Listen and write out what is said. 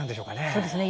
そうですね。